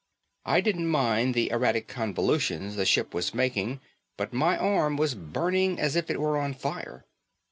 I didn't mind the erratic convolutions the ship was making but my arm was burning as if it were on fire.